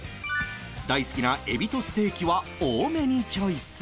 大好きなエビとステーキは多めにチョイス